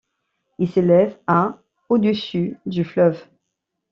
Il s'élève à au-dessus du fleuve.